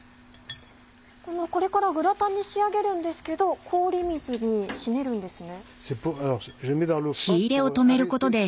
これからグラタンに仕上げるんですけど氷水に締めるんですね。